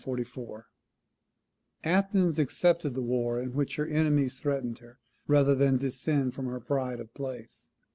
] Athens accepted the war with which her enemies threatened her, rather than descend from her pride of place.